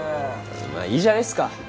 まあいいじゃないっすか。